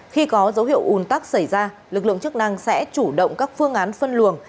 khi có dấu hiệu un tắc xảy ra lực lượng chức năng sẽ chủ động các phương án phân luồng